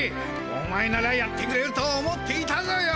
お前ならやってくれると思っていたぞよ。